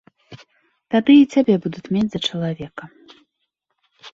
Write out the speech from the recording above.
Тады і цябе будуць мець за чалавека.